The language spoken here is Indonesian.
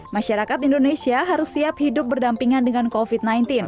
masyarakat indonesia harus siap hidup berdampingan dengan covid sembilan belas